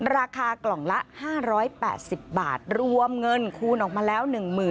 ราคากล่องละ๕๘๐บาทรวมเงินคูณออกมาแล้ว